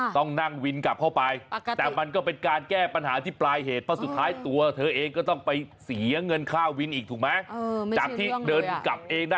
ต้องพึ่งพาพี่วินมอเตอร์ไซค์ค่ะ